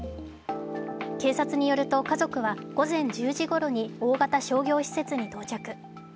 警察によると家族は午前１０時ごろに大型商業施設に到着。